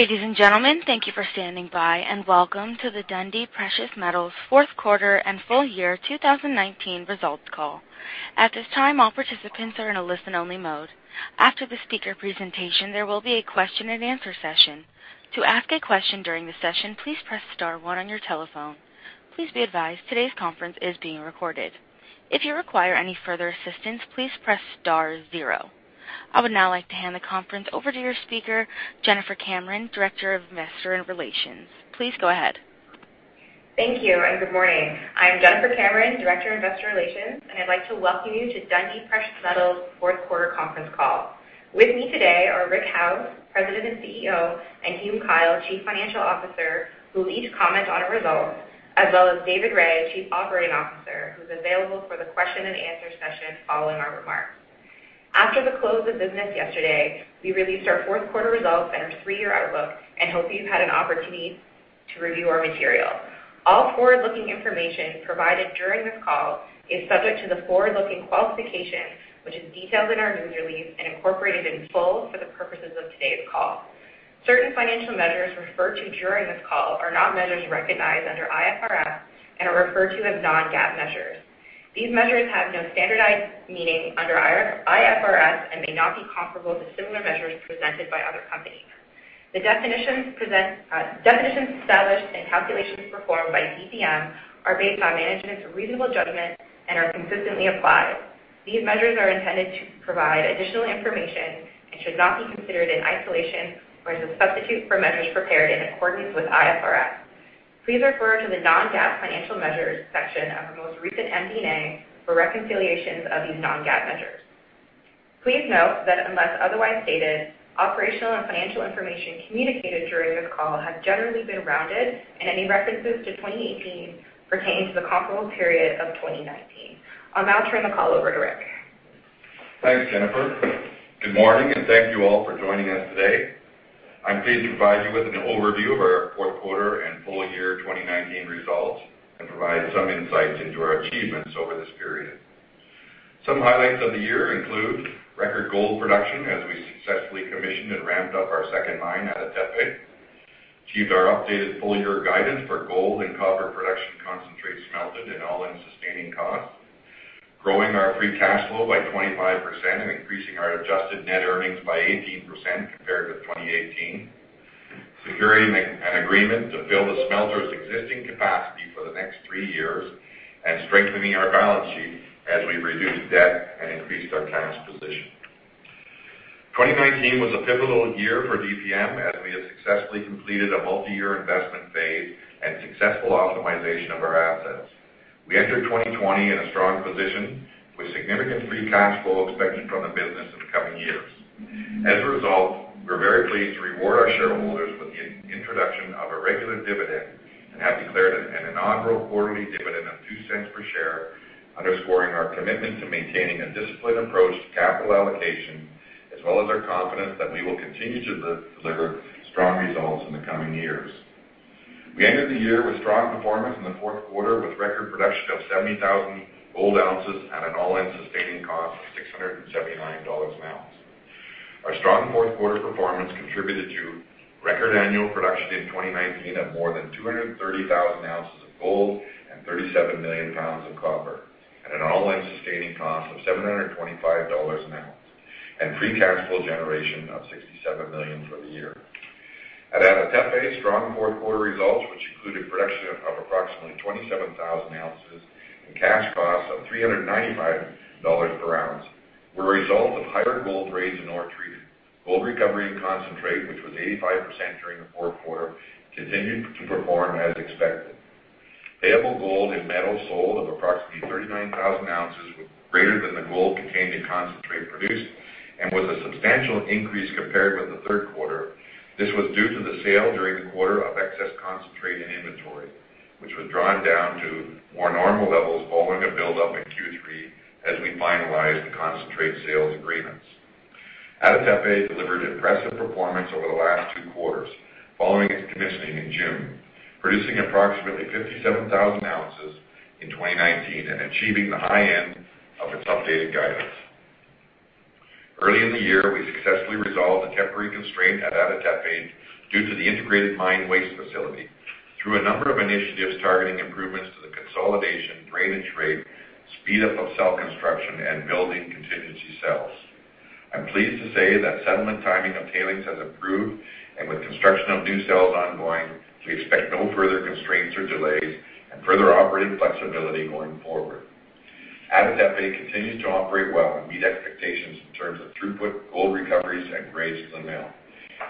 Ladies and gentlemen, thank you for standing by, and welcome to the Dundee Precious Metals fourth Quarter and Full Year 2019 Results Call. At this time, all participants are in a listen-only mode. After the speaker presentation, there will be a question and answer session. To ask a question during the session, please press star one on your telephone. Please be advised today's conference is being recorded. If you require any further assistance, please press star zero. I would now like to hand the conference over to your speaker, Jennifer Cameron, Director of Investor Relations. Please go ahead. Thank you, and good morning. I'm Jennifer Cameron, Director of Investor Relations, and I'd like to welcome you to Dundee Precious Metals' fourth quarter conference call. With me today are Rick Howes, President and CEO, and Hume Kyle, Chief Financial Officer, who will each comment on our results, as well as David Rae, Chief Operating Officer, who's available for the question and answer session following our remarks. After the close of business yesterday, we released our fourth quarter results and our three-year outlook and hope you've had an opportunity to review our material. All forward-looking information provided during this call is subject to the forward-looking qualification, which is detailed in our news release and incorporated in full for the purposes of today's call. Certain financial measures referred to during this call are not measures recognized under IFRS and are referred to as non-GAAP measures. These measures have no standardized meaning under IFRS and may not be comparable to similar measures presented by other companies. The definitions established and calculations performed by DPM are based on management's reasonable judgment and are consistently applied. These measures are intended to provide additional information and should not be considered in isolation or as a substitute for measures prepared in accordance with IFRS. Please refer to the non-GAAP financial measures section of our most recent MD&A for reconciliations of these non-GAAP measures. Please note that unless otherwise stated, operational and financial information communicated during this call have generally been rounded, and any references to 2018 pertain to the comparable period of 2019. I'll now turn the call over to Rick. Thanks, Jennifer. Good morning, and thank you all for joining us today. I'm pleased to provide you with an overview of our fourth quarter and full year 2019 results and provide some insights into our achievements over this period. Some highlights of the year include record gold production as we successfully commissioned and ramped up our second mine at Ada Tepe, achieved our updated full-year guidance for gold and copper production concentrates smelted and all-in sustaining costs, growing our free cash flow by 25% and increasing our adjusted net earnings by 18% compared with 2018, securing an agreement to fill the smelter's existing capacity for the next three years, strengthening our balance sheet as we reduced debt and increased our cash position. 2019 was a pivotal year for DPM as we have successfully completed a multi-year investment phase and successful optimization of our assets. We enter 2020 in a strong position with significant free cash flow expected from the business in the coming years. As a result, we're very pleased to reward our shareholders with the introduction of a regular dividend and have declared an annual quarterly dividend of $0.02 per share, underscoring our commitment to maintaining a disciplined approach to capital allocation, as well as our confidence that we will continue to deliver strong results in the coming years. We ended the year with strong performance in the fourth quarter, with record production of 70,000 gold oz and an all-in sustaining cost of $679 an oz. Our strong fourth quarter performance contributed to record annual production in 2019 of more than 230,000 oz of gold and 37 million pounds of copper at an all-in sustaining cost of $725 an oz and free cash flow generation of $67 million for the year. At Ada Tepe, strong fourth quarter results, which included production of approximately $27,000 oz and cash costs of $395 per oz, were a result of higher gold grades in ore treated. Gold recovery and concentrate, which was 85% during the fourth quarter, continued to perform as expected. Payable gold in metal sold of approximately 39,000 ounces were greater than the gold contained in concentrate produced and was a substantial increase compared with the third quarter. This was due to the sale during the quarter of excess concentrate in inventory, which was drawn down to more normal levels following a buildup in Q3 as we finalized concentrate sales agreements. Ada Tepe delivered impressive performance over the last two quarters following its commissioning in June, producing approximately 57,000 oz in 2019 and achieving the high end of its updated guidance. Early in the year, we successfully resolved a temporary constraint at Ada Tepe due to the integrated mine waste facility through a number of initiatives targeting improvements to the consolidation, drainage rate, speed up of cell construction, and building contingency cells. I'm pleased to say that settlement timing of tailings has improved, and with construction of new cells ongoing, we expect no further constraints or delays and further operating flexibility going forward. Ada Tepe continues to operate well and meet expectations in terms of throughput, gold recoveries, and grades to the mill.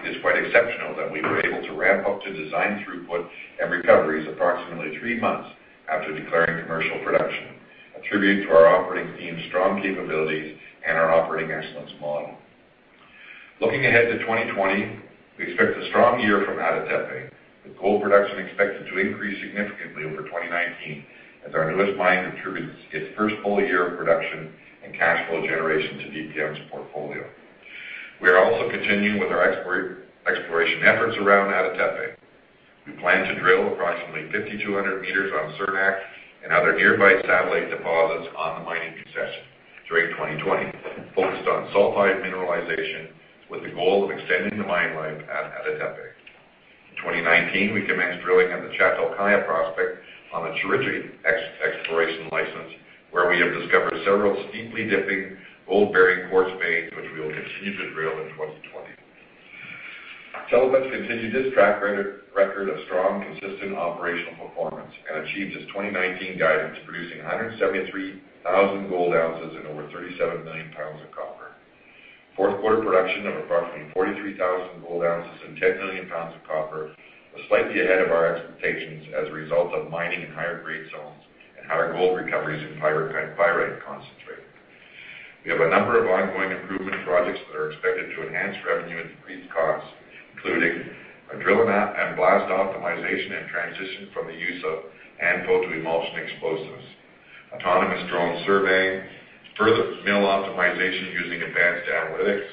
It is quite exceptional that we were able to ramp up to design throughput and recoveries approximately three months after declaring commercial production, attributed to our operating team's strong capabilities and our operating excellence model. Looking ahead to 2020, we expect a strong year from Ada Tepe, with gold production expected to increase significantly over 2019 as our newest mine contributes its first full year of production and cash flow generation to DPM's portfolio. We are also continuing with our exploration efforts around. We plan to drill approximately 5,200 m on Srebrenik and other nearby satellite deposits on the mining concession during 2020, focused on sulfide mineralization with the goal of extending the mine life at Ada Tepe. In 2019, we commenced drilling at the Çatalkaya prospect on the Çeriçli exploration license, where we have discovered several steeply dipping gold-bearing quartz veins, which we will continue to drill in 2020. Chelopech continued its track record of strong, consistent operational performance and achieved its 2019 guidance, producing 173,000 gold oz and over 37 million pounds of copper. Fourth quarter production of approximately 43,000 gold oz and 10 million pounds of copper was slightly ahead of our expectations as a result of mining in higher-grade zones and higher gold recoveries in pyrite concentrate. We have a number of ongoing improvement projects that are expected to enhance revenue and decrease costs, including a drill and blast optimization and transition from the use of ANFO to emulsion explosives, autonomous drone surveying, further mill optimization using advanced analytics,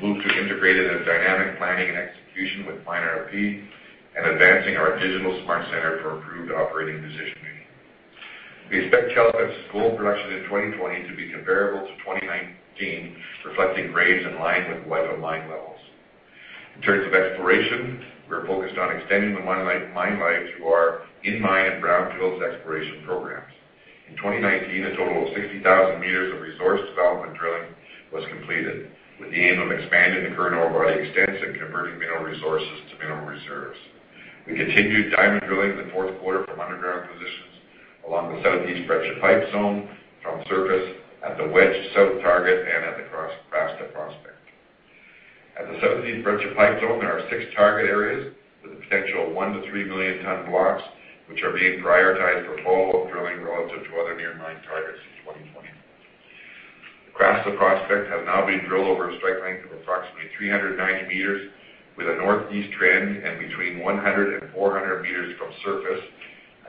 a move to integrated and dynamic planning and execution with MineRP, and advancing our digital smart center for improved operating decision-making. We expect Chelopech's gold production in 2020 to be comparable to 2019, reflecting grades in line with our mine levels. In terms of exploration, we are focused on extending the mine life through our in-mine and brownfields exploration programs. In 2019, a total of 60,000 m of resource development drilling was completed with the aim of expanding the current ore body extents and converting mineral resources to mineral reserves. We continued diamond drilling in the fourth quarter from underground positions along the Southeast Breccia Pipe Zone from surface at the Wedge South target and at the Krasta prospect. At the Southeast Breccia Pipe Zone, there are six target areas with the potential 1 million-3 million ton blocks, which are being prioritized for follow-up drilling relative to other near-mine targets in 2020. The Krasta prospect has now been drilled over a strike length of approximately 390 m with a northeast trend and between 100 m and 400 m from surface.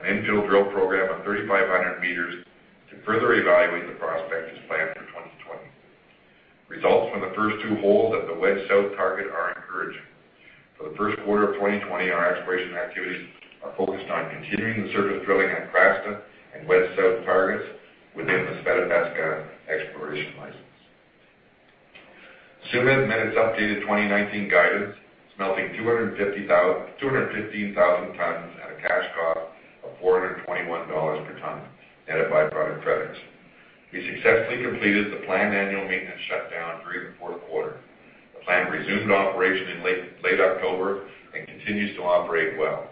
An infill drill program of 3,500 m to further evaluate the prospect is planned for 2020. Results from the first two holes at the Wedge South target are encouraging. For the first quarter of 2020, our exploration activities are focused on continuing the surface drilling at Krasta and Wedge South targets within the Sveta Petka exploration license. Tsumeb met its updated 2019 guidance, smelting 215,000 tons at a cash cost of $421 per ton, net of by-product credits. We successfully completed the planned annual maintenance shutdown during the fourth quarter. The plant resumed operation in late October and continues to operate well.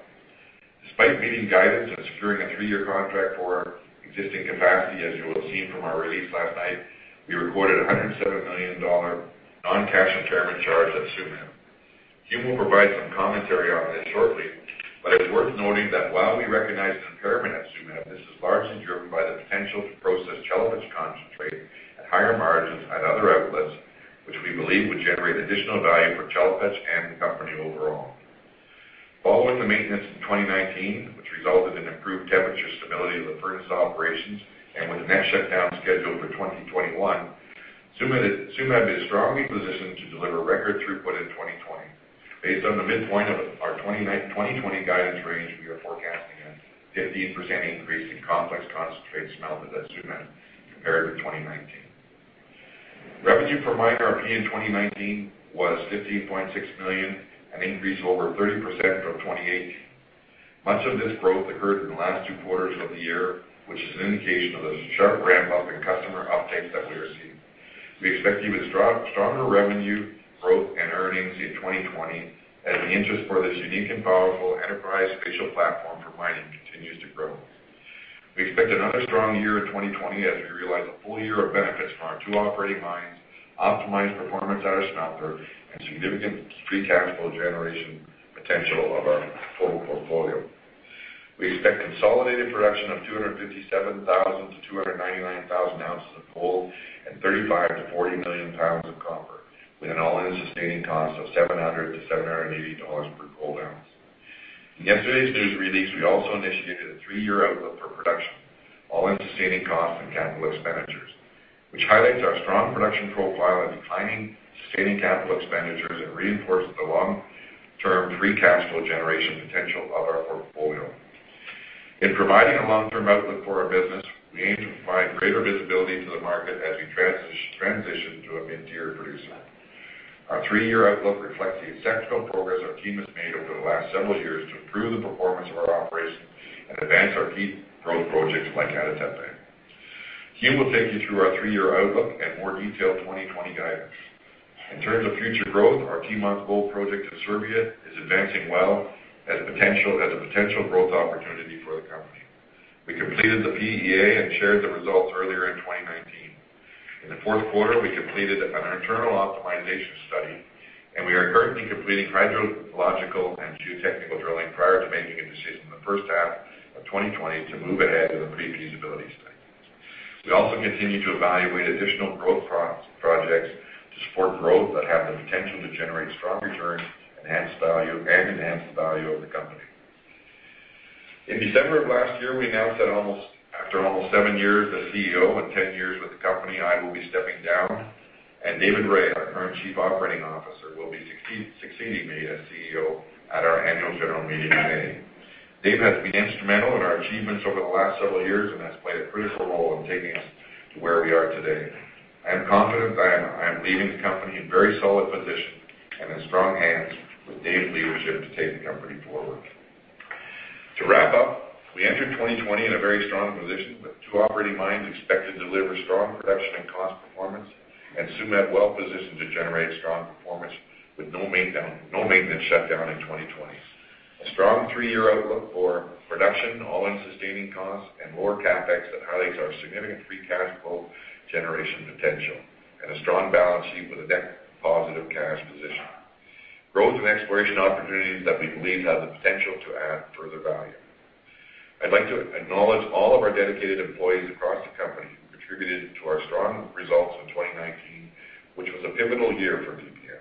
Despite meeting guidance and securing a three-year contract for existing capacity, as you will have seen from our release last night, we recorded a $107 million non-cash impairment charge at Tsumeb. Hume will provide some commentary on this shortly, but it is worth noting that while we recognize an impairment at Tsumeb, this is largely driven by the potential to process Chelopech concentrate at higher margins at other outlets, which we believe would generate additional value for Chelopech and the company overall. Following the maintenance in 2019, which resulted in improved temperature stability of the furnace operations, and with the next shutdown scheduled for 2021, Tsumeb is strongly positioned to deliver record throughput in 2020. Based on the midpoint of our 2020 guidance range, we are forecasting a 15% increase in complex concentrate smelted at Tsumeb compared with 2019. Revenue for MineRP in 2019 was $15.6 million, an increase of over 30% from 2018. Much of this growth occurred in the last two quarters of the year, which is an indication of the sharp ramp-up in customer uptake that we are seeing. We expect even stronger revenue growth and earnings in 2020 as the interest for this unique and powerful enterprise spatial platform for mining continues to grow. We expect another strong year in 2020 as we realize a full year of benefits from our two operating mines, optimized performance at our smelter, and significant free cash flow generation potential of our total portfolio. We expect consolidated production of 257,000 oz-299,000 oz of gold and 35 million-40 million pounds of copper, with an all-in sustaining cost of $700-$780 per gold ounce. In yesterday's news release, we also initiated a three-year outlook for production, all-in sustaining costs and capital expenditures, which highlights our strong production profile and declining sustaining capital expenditures and reinforces the long-term free cash flow generation potential of our portfolio. In providing a long-term outlook for our business, we aim to provide greater visibility to the market as we transition to a mid-tier producer. Our three-year outlook reflects the exceptional progress our team has made over the last several years to improve the performance of our operations and advance our key growth projects like Ada Tepe. Hume will take you through our three-year outlook and more detailed 2020 guidance. In terms of future growth, our Timok Gold Project in Serbia is advancing well as a potential growth opportunity for the company. We completed the PEA and shared the results earlier in 2019. In the fourth quarter, we completed an internal optimization study, and we are currently completing hydrological and geotechnical drilling prior to making a decision in the first half of 2020 to move ahead with a pre-feasibility study. We also continue to evaluate additional growth projects to support growth that have the potential to generate strong returns and enhance the value of the company. In December of last year, we announced that after almost seven years as CEO and 10 years with the company, I will be stepping down. David Rae, our current Chief Operating Officer, will be succeeding me as CEO at our annual general meeting today. David has been instrumental in our achievements over the last seven years and has played a critical role in taking us to where we are today. I am confident that I am leaving the company in very solid position and in strong hands with David leadership to take the company forward. To wrap up, we enter 2020 in a very strong position with two operating mines expected to deliver strong production and cost performance, and Tsumeb well-positioned to generate strong performance with no maintenance shutdown in 2020. A strong three-year outlook for production, all-in sustaining costs, and lower CapEx that highlights our significant free cash flow generation potential, and a strong balance sheet with a net positive cash position. Growth and exploration opportunities that we believe have the potential to add further value. I'd like to acknowledge all of our dedicated employees across the company who contributed to our strong results in 2019, which was a pivotal year for DPM.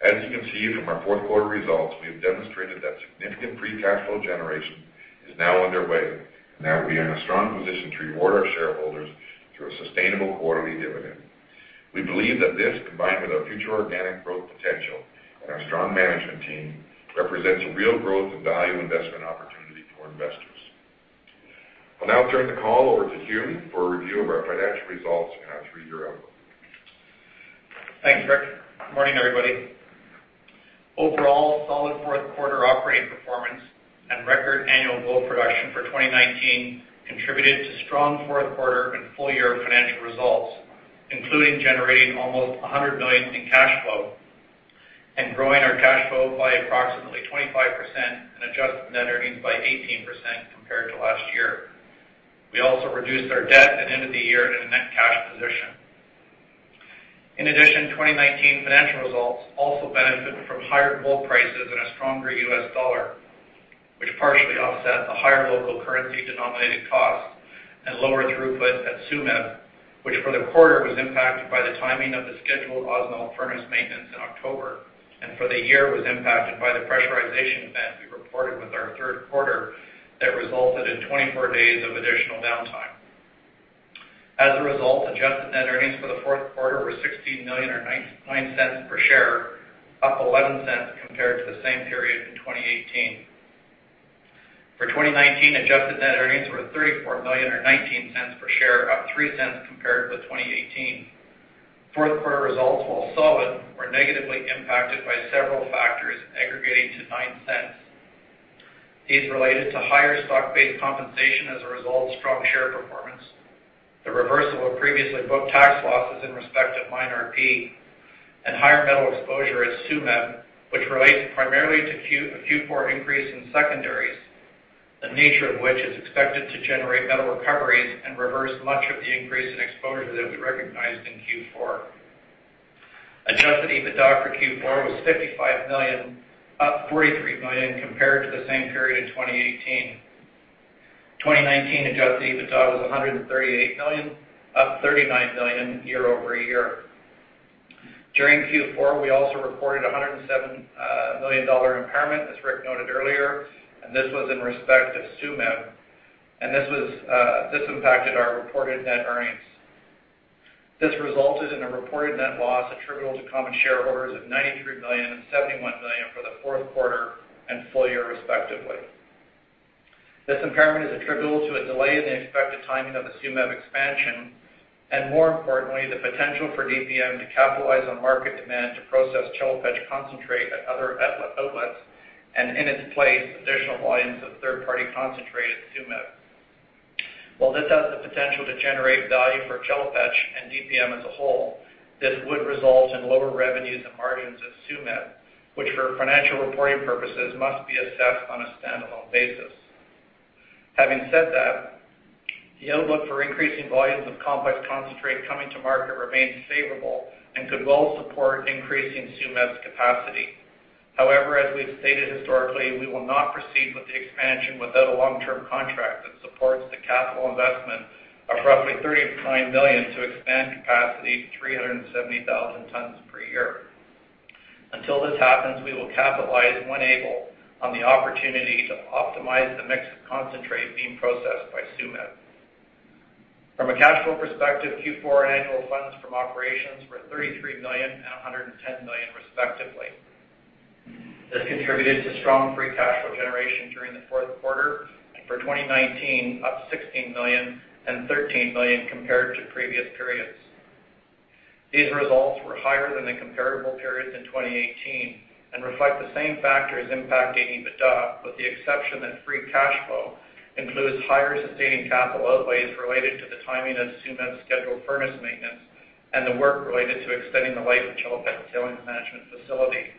As you can see from our fourth quarter results, we have demonstrated that significant free cash flow generation is now underway, and that we are in a strong position to reward our shareholders through a sustainable quarterly dividend. We believe that this, combined with our future organic growth potential and our strong management team, represents a real growth and value investment opportunity for investors. I'll now turn the call over to Hume for a review of our financial results and our three-year outlook. Thanks, Rick. Good morning, everybody. Overall, solid fourth quarter operating performance and record annual gold production for 2019 contributed to strong fourth quarter and full year financial results, including generating almost $100 million in cash flow and growing our cash flow by approximately 25%. Adjusted net earnings by 18% compared to last year. We also reduced our debt at end of the year in a net cash position. In addition, 2019 financial results also benefited from higher gold prices and a stronger U.S. dollar, which partially offset the higher local currency denominated costs and lower throughput at Tsumeb, which for the quarter was impacted by the timing of the scheduled Ausmelt furnace maintenance in October, and for the year was impacted by the pressurization event we reported with our third quarter that resulted in 24 days of additional downtime. As a result, adjusted net earnings for the fourth quarter were $6 million or $0.09 per share, up $0.11 compared to the same period in 2018. For 2019, adjusted net earnings were $34 million or $0.19 per share, up $0.03 compared with 2018. Fourth quarter results, while solid, were negatively impacted by several factors aggregating to $0.09. These related to higher stock-based compensation as a result of strong share performance, the reversal of previously booked tax losses in respect of MineRP, and higher metal exposure at Tsumeb, which relates primarily to a Q4 increase in secondaries, the nature of which is expected to generate metal recoveries and reverse much of the increase in exposure that we recognized in Q4. Adjusted EBITDA for Q4 was $55 million, up $43 million compared to the same period in 2018. 2019 adjusted EBITDA was $138 million, up $39 million year-over-year. During Q4, we also reported $107 million impairment, as Rick noted earlier, and this was in respect of Tsumeb. This impacted our reported net earnings. This resulted in a reported net loss attributable to common shareholders of $93 million and $71 million for the fourth quarter and full year, respectively. This impairment is attributable to a delay in the expected timing of the Tsumeb expansion, and more importantly, the potential for DPM to capitalize on market demand to process Chelopech concentrate at other outlets, and in its place, additional volumes of third-party concentrate at Tsumeb. While this has the potential to generate value for Chelopech and DPM as a whole, this would result in lower revenues and margins at Tsumeb, which for financial reporting purposes, must be assessed on a standalone basis. Having said that, the outlook for increasing volumes of complex concentrate coming to market remains favorable and could well support increasing Tsumeb's capacity. As we've stated historically, we will not proceed with the expansion without a long-term contract that supports the capital investment of roughly $39 million to expand capacity to 370,000 tons per year. Until this happens, we will capitalize when able on the opportunity to optimize the mix of concentrate being processed by Tsumeb. From a cash flow perspective, Q4 and annual funds from operations were $33 million and $110 million, respectively. This contributed to strong free cash flow generation during the fourth quarter and for 2019, up $16 million and $13 million compared to previous periods. These results were higher than the comparable periods in 2018 and reflect the same factors impacting EBITDA, with the exception that free cash flow includes higher sustaining capital outlays related to the timing of Tsumeb's scheduled furnace maintenance and the work related to extending the life of Kisl-Such tailings management facility.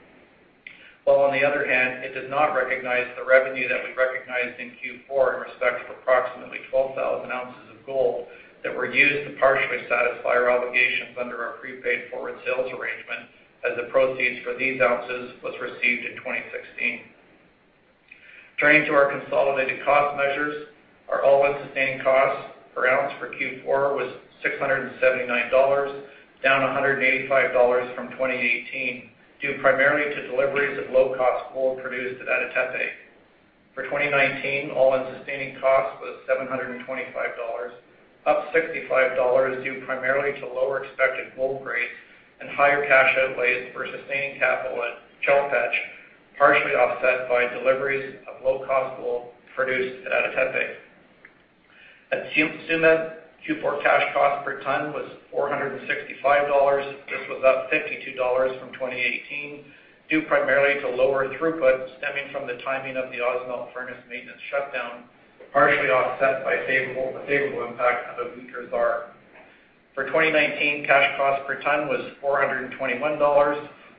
On the other hand, it does not recognize the revenue that we recognized in Q4 in respect of approximately 12,000 ounces of gold that were used to partially satisfy our obligations under our prepaid forward gold sales arrangement as the proceeds for these ounces was received in 2016. Turning to our consolidated cost measures-Sustaining costs per ounce for Q4 was $679, down $85 from 2018, due primarily to deliveries of low-cost gold produced at Ada Tepe. For 2019, all-in sustaining costs was $725, up $65 due primarily to lower expected gold grades and higher cash outlays for sustaining capital at Chelopech, partially offset by deliveries of low-cost gold produced at Ada Tepe. At Tsumeb, Q4 cash cost per ton was $465. This was up $52 from 2018, due primarily to lower throughput stemming from the timing of the Ausmelt furnace maintenance shutdown, partially offset by the favorable impact of a weaker ZAR. For 2019, cash cost per ton was $421.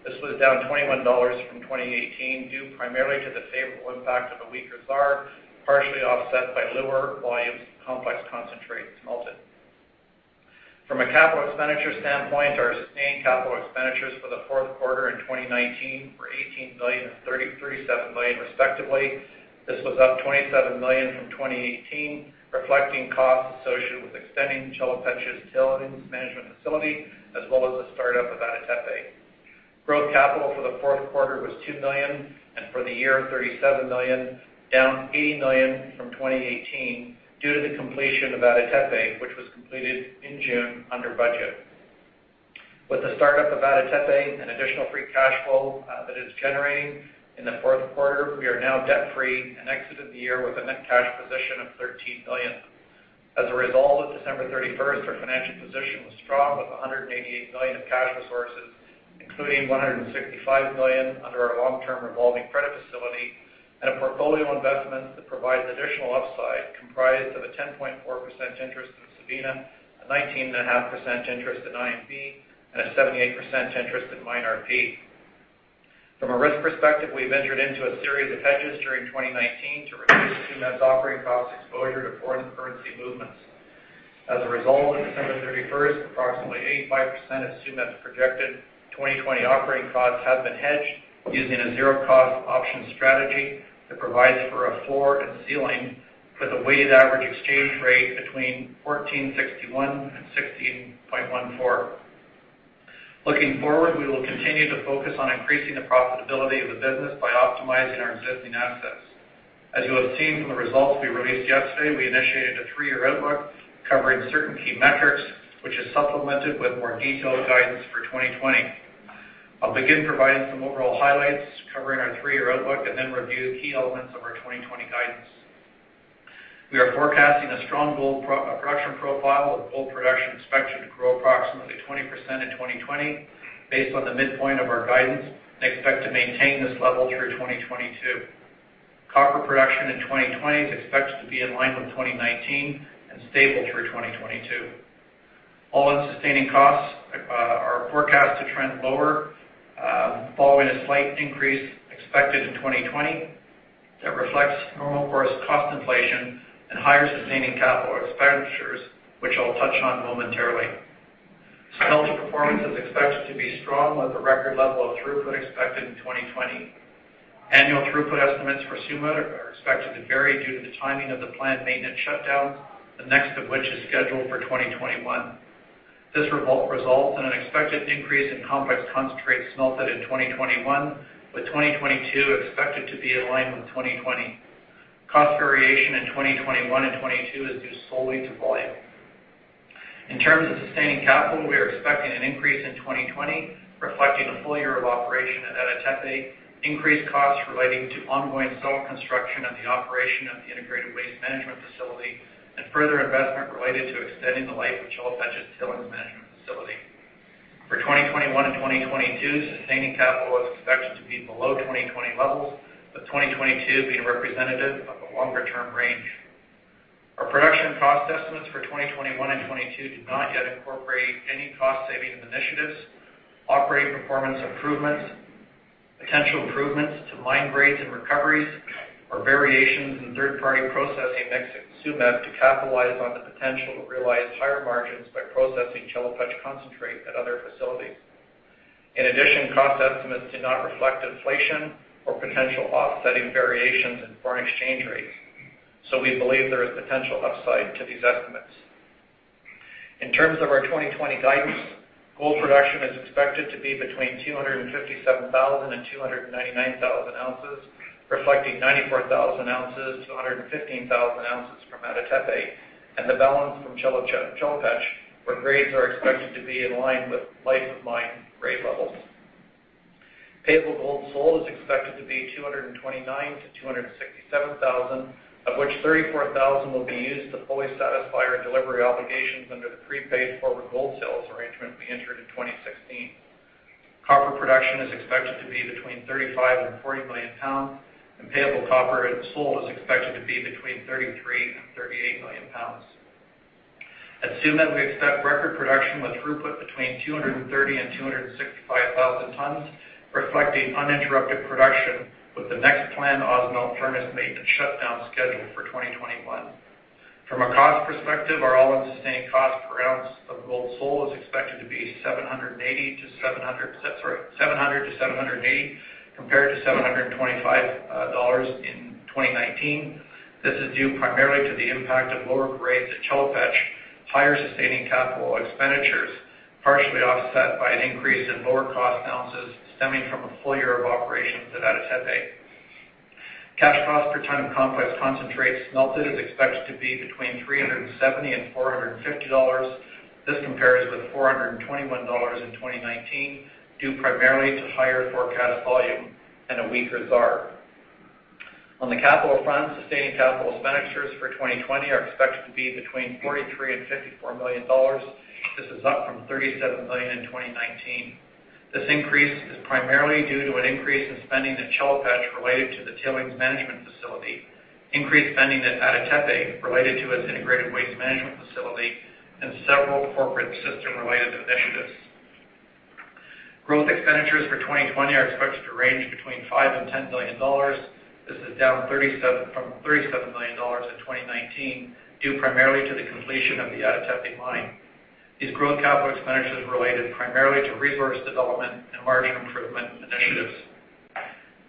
This was down $21 from 2018, due primarily to the favorable impact of a weaker ZAR, partially offset by lower volumes of complex concentrates melted. From a capital expenditure standpoint, our sustained capital expenditures for the fourth quarter in 2019 were $18 million and $ 37 million respectively. This was up $27 million from 2018, reflecting costs associated with extending Chelopech's tailings management facility as well as the start-up of Ada Tepe. Growth capital for the fourth quarter was $2 million, and for the year, $37 million, down $80 million from 2018 due to the completion of Ada Tepe, which was completed in June under budget. With the start-up of Ada Tepe and additional free cash flow that it's generating in the fourth quarter, we are now debt-free and exited the year with a net cash position of $13 million. As a result, as of December 31st, our financial position was strong, with $188 million of cash resources, including $165 million under our long-term revolving credit facility and a portfolio investment that provides additional upside, comprised of a 10.4% interest in Sabina, a 19.5% interest in INV, and a 78% interest in MineRP. From a risk perspective, we've entered into a series of hedges during 2019 to reduce Tsumeb's operating cost exposure to foreign currency movements. As a result, as of December 31st, approximately 85% of Tsumeb's projected 2020 operating costs have been hedged using a zero-cost option strategy that provides for a floor and ceiling for the weighted average exchange rate between 1461 and 16.14. Looking forward, we will continue to focus on increasing the profitability of the business by optimizing our existing assets. As you have seen from the results we released yesterday, we initiated a three-year outlook covering certain key metrics, which is supplemented with more detailed guidance for 2020. I'll begin providing some overall highlights covering our three-year outlook and then review key elements of our 2020 guidance. We are forecasting a strong gold production profile with gold production expected to grow approximately 20% in 2020 based on the midpoint of our guidance and expect to maintain this level through 2022. Copper production in 2020 is expected to be in line with 2019 and stable through 2022. All-in sustaining costs are forecast to trend lower following a slight increase expected in 2020 that reflects normal course cost inflation and higher sustaining capital expenditures, which I'll touch on momentarily. Smelter performance is expected to be strong with a record level of throughput expected in 2020. Annual throughput estimates for Tsumeb are expected to vary due to the timing of the planned maintenance shutdowns, the next of which is scheduled for 2021. This will result in an expected increase in complex concentrates smelted in 2021, with 2022 expected to be in line with 2020. Cost variation in 2021 and 2022 is due solely to volume. In terms of sustaining capital, we are expecting an increase in 2020, reflecting a full year of operation at Ada Tepe, increased costs relating to ongoing shaft construction and the operation of the integrated waste management facility, and further investment related to extending the life of Chelopech's tailings management facility. For 2021 and 2022, sustaining capital is expected to be below 2020 levels, with 2022 being representative of the longer-term range. Our production cost estimates for 2021 and 2022 do not yet incorporate any cost-saving initiatives, operating performance improvements, potential improvements to mine grades and recoveries, or variations in third-party processing mix at Tsumeb to capitalize on the potential to realize higher margins by processing Chelopech concentrate at other facilities. In addition, cost estimates do not reflect inflation or potential offsetting variations in foreign exchange rates. We believe there is potential upside to these estimates. In terms of our 2020 guidance, gold production is expected to be between 257,000 and 299,000 oz, reflecting 94,000 oz-115,000 oz from Ada Tepe and the balance from Chelopech, where grades are expected to be in line with life of mine grade levels. Payable gold sold is expected to be 229,000-267,000, of which 34,000 will be used to fully satisfy our delivery obligations under the prepaid forward gold sales arrangement we entered in 2016. Copper production is expected to be between 35 and 40 million pounds, and payable copper sold is expected to be between 33 and 38 million pounds. At Tsumeb, we expect record production with throughput between 230,000 and 265,000 tons, reflecting uninterrupted production, with the next planned Ausmelt furnace maintenance shutdown scheduled for 2021. From a cost perspective, our all-in sustaining cost per ounce of gold sold is expected to be 700-780 compared to $725 in 2019. This is due primarily to the impact of lower grades at Chelopech, higher sustaining capital expenditures, partially offset by an increase in lower cost ounces stemming from a full year of operations at Ada Tepe. Cash cost per ton of complex concentrates smelted is expected to be between $370 and $450. This compares with $421 in 2019, due primarily to higher forecast volume and a weaker ZAR. On the capital front, sustaining capital expenditures for 2020 are expected to be between $43 million and $54 million. This is up from $37 million in 2019. This increase is primarily due to an increase in spending at Chelopech related to the tailings management facility, increased spending at Ada Tepe related to its integrated waste management facility, and several corporate system-related initiatives. Growth expenditures for 2020 are expected to range between $5 million and $10 million. This is down from $37 million in 2019, due primarily to the completion of the Ada Tepe mine. These growth capital expenditures related primarily to resource development and margin improvement initiatives.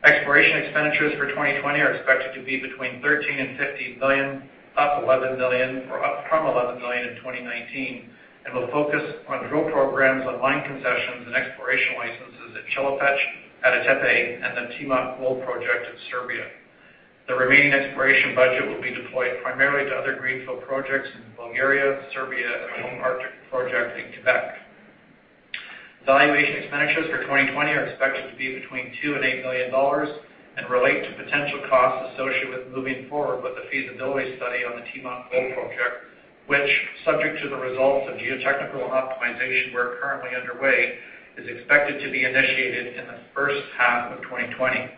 Exploration expenditures for 2020 are expected to be between $13 million and $15 million, up from $11 million in 2019, and will focus on drill programs on mine concessions and exploration licenses at Chelopech, Ada Tepe, and the Timok Gold Project in Serbia. The remaining exploration budget will be deployed primarily to other greenfield projects in Bulgaria, Serbia, and the Horne project in Quebec. Valuation expenditures for 2020 are expected to be between $2 million and $8 million and relate to potential costs associated with moving forward with the feasibility study on the Timok Gold Project, which, subject to the results of geotechnical optimization work currently underway, is expected to be initiated in the first half of 2020.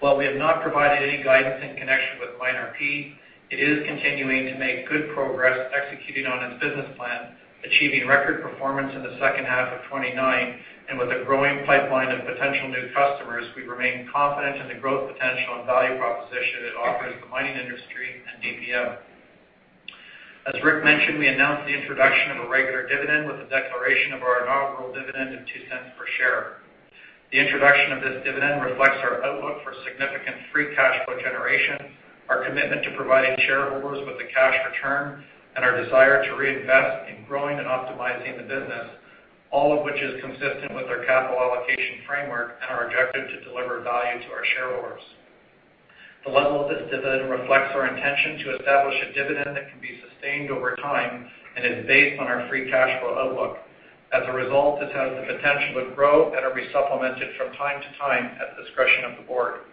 While we have not provided any guidance in connection with MineRP, it is continuing to make good progress executing on its business plan, achieving record performance in the second half of 2019. With a growing pipeline of potential new customers, we remain confident in the growth potential and value proposition it offers the mining industry and DPM. As Rick mentioned, we announced the introduction of a regular dividend with the declaration of our inaugural dividend of $0.02 per share. The introduction of this dividend reflects our outlook for significant free cash flow generation, our commitment to providing shareholders with a cash return, and our desire to reinvest in growing and optimizing the business, all of which is consistent with our capital allocation framework and our objective to deliver value to our shareholders. The level of this dividend reflects our intention to establish a dividend that can be sustained over time and is based on our free cash flow outlook. As a result, it has the potential to grow and to be supplemented from time to time at the discretion of the board.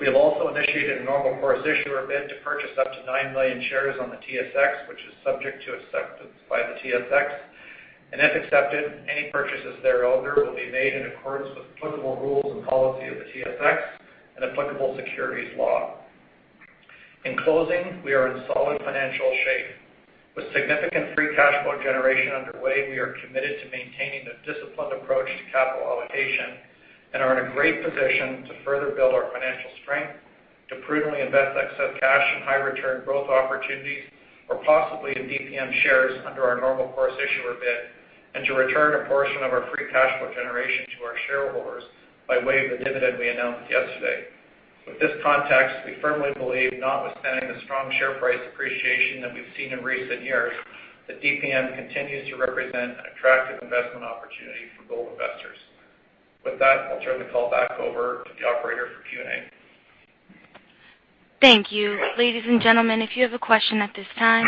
We have also initiated a normal course issuer bid to purchase up to 9 million shares on the TSX, which is subject to acceptance by the TSX. If accepted, any purchases thereof will be made in accordance with applicable rules and policy of the TSX and applicable securities law. In closing, we are in solid financial shape. With significant free cash flow generation underway, we are committed to maintaining a disciplined approach to capital allocation and are in a great position to further build our financial strength, to prudently invest excess cash in high return growth opportunities or possibly in DPM shares under our normal course issuer bid, and to return a portion of our free cash flow generation to our shareholders by way of the dividend we announced yesterday. With this context, we firmly believe, notwithstanding the strong share price appreciation that we've seen in recent years, that DPM continues to represent an attractive investment opportunity for gold investors. With that, I'll turn the call back over. Thank you. Ladies and gentlemen, if you have a question at this time,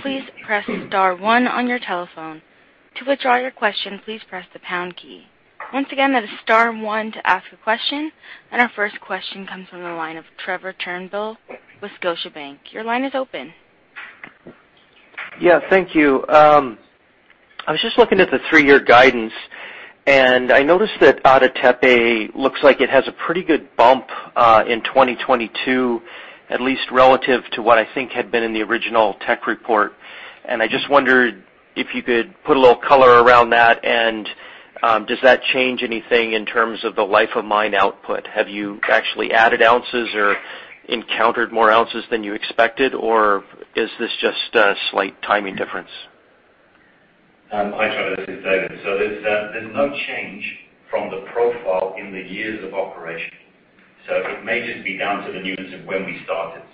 please press star one on your telephone. To withdraw your question, please press the pound key. Once again, that is star one to ask a question. Our first question comes from the line of Trevor Turnbull with Scotiabank. Your line is open. Yeah, thank you. I was just looking at the three-year guidance, and I noticed that Ada Tepe looks like it has a pretty good bump in 2022, at least relative to what I think had been in the original tech report. I just wondered if you could put a little color around that, and does that change anything in terms of the life of mine output? Have you actually added ounces or encountered more ounces than you expected, or is this just a slight timing difference? Hi, Trevor. This is David. There's no change from the profile in the years of operation. It may just be down to the nuance of when we started.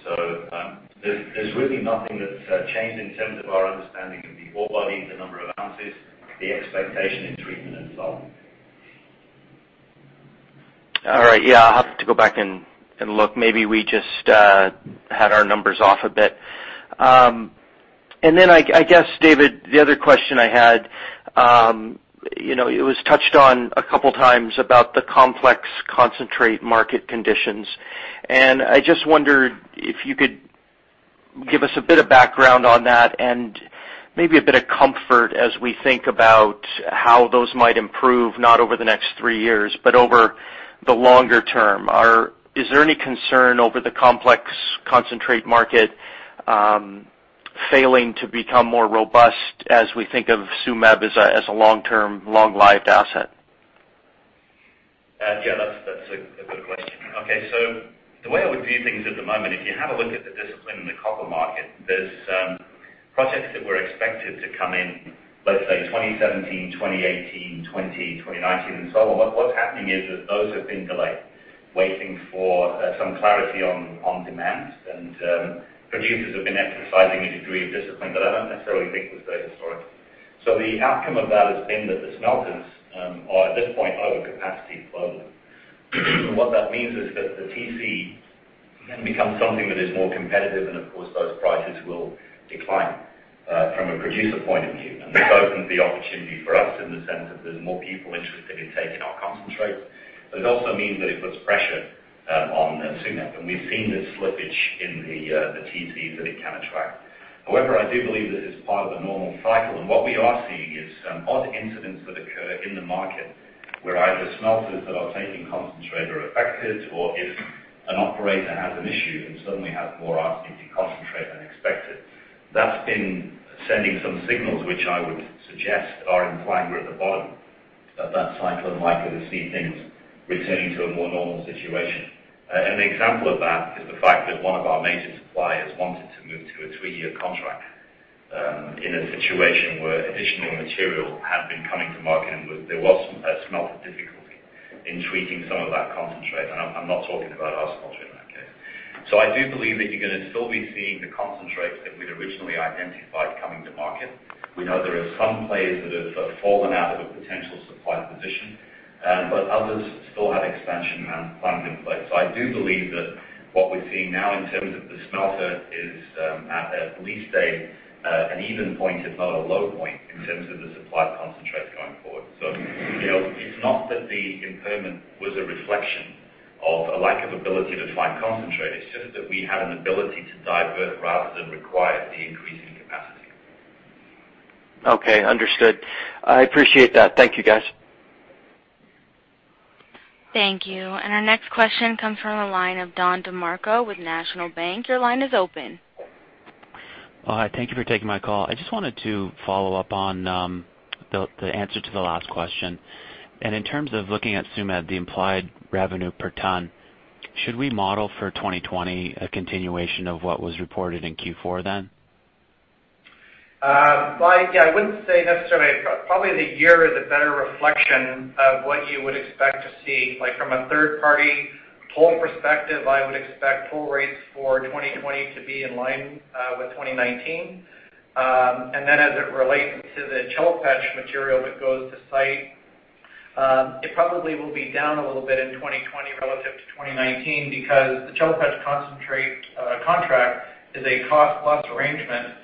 There's really nothing that's changed in terms of our understanding of the ore body, the number of ounces, the expectation in treatment, and so on. All right. Yeah, I'll have to go back and look. Maybe we just had our numbers off a bit. I guess, David, the other question I had, it was touched on a couple of times about the complex concentrate market conditions, and I just wondered if you could give us a bit of background on that and maybe a bit of comfort as we think about how those might improve, not over the next three years but over the longer term. Is there any concern over the complex concentrate market failing to become more robust as we think of Tsumeb as a long-term, long-lived asset? Yeah, that's a good question. Okay. The way I would view things at the moment, if you have a look at the discipline in the copper market, there's projects that were expected to come in, let's say, 2017, 2018, 2020, 2019, and so on. What's happening is that those have been delayed waiting for some clarity on demand, and producers have been exercising a degree of discipline, but I don't necessarily think it was very historic. The outcome of that has been that the smelters are, at this point, over capacity globally. What that means is that the TC can become something that is more competitive, and of course, those prices will decline from a producer point of view. That opens the opportunity for us in the sense that there's more people interested in taking our concentrates, but it also means that it puts pressure on Tsumeb. We've seen this slippage in the TCS that it can attract. However, I do believe that it's part of a normal cycle, and what we are seeing is some odd incidents that occur in the market where either smelters that are taking concentrate are affected or if an operator has an issue and suddenly has more arsenic concentrate than expected. That's been sending some signals, which I would suggest are implying we're at the bottom of that cycle and likely to see things returning to a more normal situation. An example of that is the fact that one of our major suppliers wanted to move to a three-year contract, in a situation where additional material had been coming to market and there was some smelter difficulty in treating some of that concentrate, and I'm not talking about our smelter in that case. I do believe that you're going to still be seeing the concentrates that we'd originally identified coming to market. We know there are some players that have fallen out of a potential supply position, but others still have expansion plans in place. I do believe that what we're seeing now in terms of the smelter is at least an even point, if not a low point, in terms of the supply of concentrates going forward. It's not that the impairment was a reflection of a lack of ability to find concentrate, it's just that we had an ability to divert rather than require the increase in capacity. Okay, understood. I appreciate that. Thank you, guys. Thank you. Our next question comes from the line of Don DeMarco with National Bank. Your line is open. Hi, thank you for taking my call. I just wanted to follow up on the answer to the last question. In terms of looking at Ausmelt, the implied revenue per ton, should we model for 2020 a continuation of what was reported in Q4 then? Yeah, I wouldn't say necessarily. Probably the year is a better reflection of what you would expect to see. From a third-party toll perspective, I would expect toll rates for 2020 to be in line with 2019. As it relates to the Chelopech material that goes to site, it probably will be down a little bit in 2020 relative to 2019 because the Chelopech concentrate contract is a cost-plus arrangement.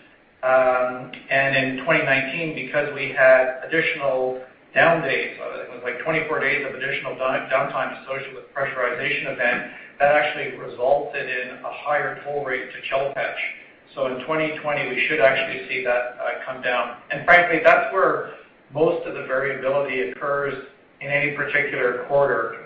In 2019, because we had additional down days, it was like 24 days of additional downtime associated with a pressurization event, that actually resulted in a higher toll rate to Chelopech. In 2020, we should actually see that come down. Frankly, that's where most of the variability occurs in any particular quarter,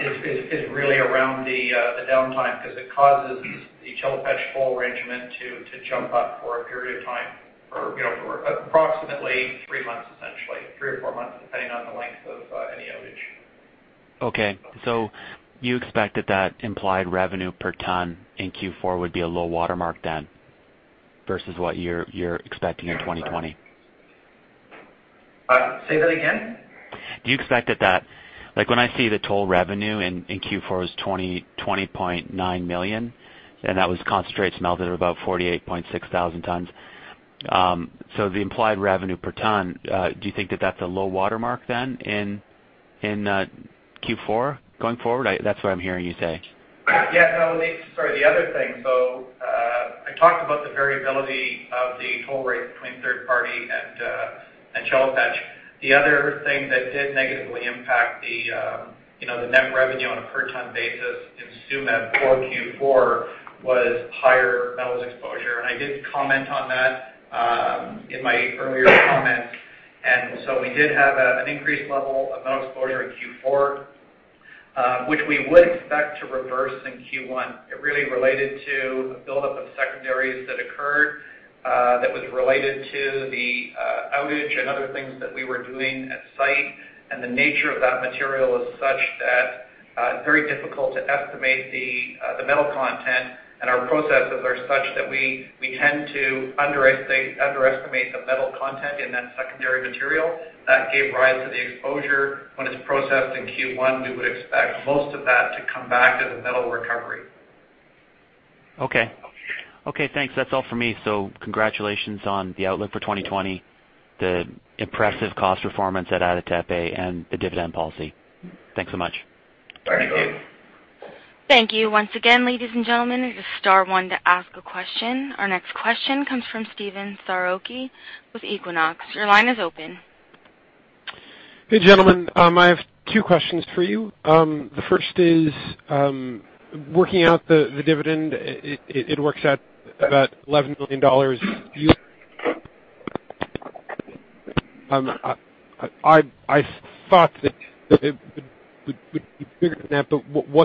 is really around the downtime because it causes the Chelopech toll arrangement to jump up for a period of time for approximately three months, essentially, three or four months, depending on the length of any outage. Okay. You expect that implied revenue per ton in Q4 would be a low watermark then versus what you're expecting in 2020? Say that again? Do you expect that, when I see the toll revenue in Q4 was $20.9 million, and that was concentrate smelted at about 48,600 tons. The implied revenue per ton, do you think that that's a low watermark then in Q4 going forward? That's what I'm hearing you say. Yeah, no. Sorry. The other thing, so, I talked about the variability of the toll rates between third party and Chelopech. The other thing that did negatively impact the net revenue on a per-ton basis in Tsumeb for Q4 was higher metal exposure. I did comment on that in my earlier comments. We did have an increased level of metal exposure in Q4, which we would expect to reverse in Q1. It really related to a buildup of secondaries that occurred that was related to the outage and other things that we were doing at site. The nature of that material is such that it's very difficult to estimate the metal content, and our processes are such that we tend to underestimate the metal content in that secondary material. That gave rise to the exposure. When it's processed in Q1, we would expect most of that to come back as a metal recovery. Okay. Okay, thanks. That's all for me. Congratulations on the outlook for 2020, the impressive cost performance at Ada Tepe, and the dividend policy. Thanks so much. Thank you. Thank you. Once again, ladies and gentlemen, it is star one to ask a question. Our next question comes from Stephen Saroki with Equinox. Your line is open. Hey, gentlemen. I have two questions for you. The first is, working out the dividend, it works out about $11 million.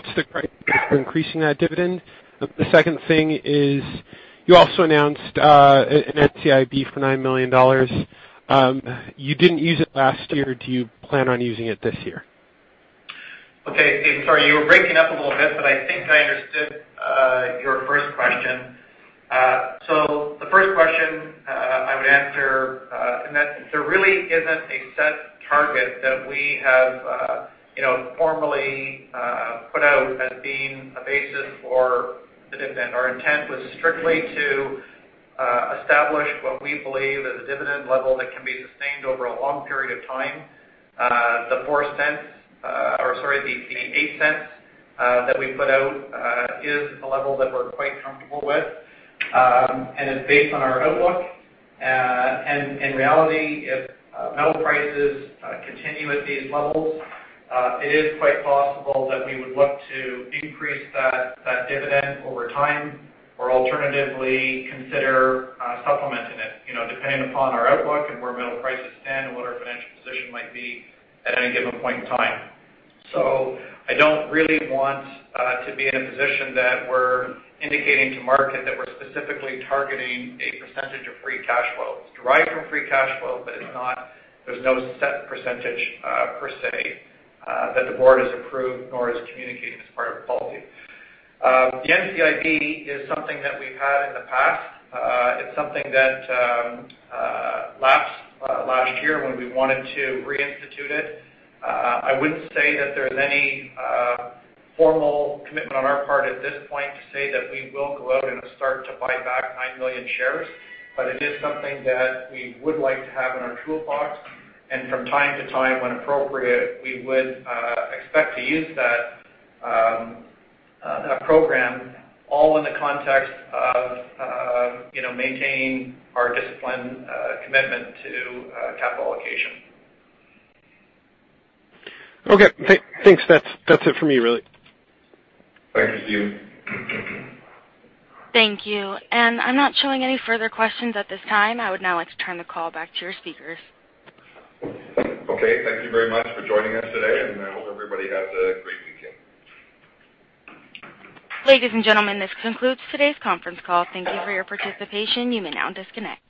increasing that dividend? The second thing is You also announced an NCIB for $9 million. You didn't use it last year. Do you plan on using it this year? Okay. Sorry, you were breaking up a little bit, but I think I understood your first question. The first question I would answer, and that there really isn't a set target that we have formally put out as being a basis for the dividend. Our intent was strictly to establish what we believe is a dividend level that can be sustained over a long period of time. The $0.08 that we put out is a level that we're quite comfortable with, and it's based on our outlook. In reality, if metal prices continue at these levels, it is quite possible that we would look to increase that dividend over time or alternatively consider supplementing it, depending upon our outlook and where metal prices stand and what our financial position might be at any given point in time. I don't really want to be in a position that we're indicating to market that we're specifically targeting a percentage of free cash flows. It's derived from free cash flow, but there's no set percentage, per se, that the board has approved nor is it communicating as part of a policy. The NCIB is something that we've had in the past. It's something that lapsed last year when we wanted to reinstitute it. I wouldn't say that there's any formal commitment on our part at this point to say that we will go out and start to buy back 9 million shares. It is something that we would like to have in our toolbox, and from time to time, when appropriate, we would expect to use that program all in the context of maintaining our disciplined commitment to capital allocation. Okay. Thanks. That's it for me, really. Thank you, Stephen. Thank you. I'm not showing any further questions at this time. I would now like to turn the call back to your speakers. Okay. Thank you very much for joining us today, and I hope everybody has a great weekend. Ladies and gentlemen, this concludes today's conference call. Thank you for your participation. You may now disconnect.